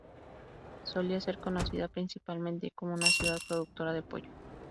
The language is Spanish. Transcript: Solía ser conocida principalmente como una ciudad productora de pollo.